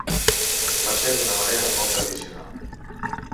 Va ser d’una manera molt tradicional.